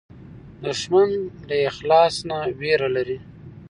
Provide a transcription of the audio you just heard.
دښمن له اخلاص نه وېره لري